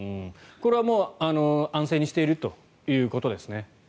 これは安静にしているということですね。